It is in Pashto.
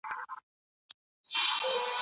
د مقالې لیکل یوازي د شاګرد کار دی.